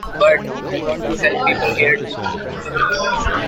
But, I want to help people here, too.